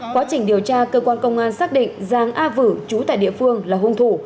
quá trình điều tra cơ quan công an xác định giang a vữ trú tại địa phương là hung thủ